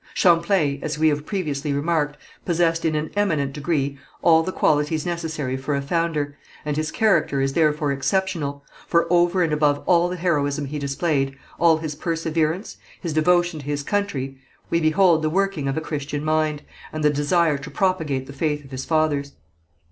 Champlain, as we have previously remarked, possessed in an eminent degree all the qualities necessary for a founder, and his character is therefore exceptional, for over and above all the heroism he displayed, all his perseverance, his devotion to his country, we behold the working of a Christian mind, and the desire to propagate the faith of his fathers.